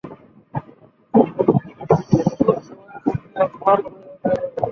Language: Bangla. ছুঁচ হয়ে ঢোকে, ফাল হয়ে বেরোয়।